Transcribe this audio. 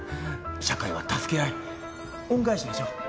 社会は助け合い恩返しでしょ？